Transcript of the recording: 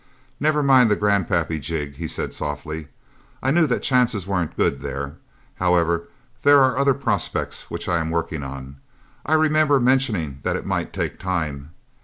"Never mind the 'Grandpappy', Jig," he said softly. "I knew that chances weren't good, there. However, there are other prospects which I'm working on. I remember mentioning that it might take time.